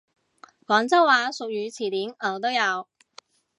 廣州話俗語詞典我都有！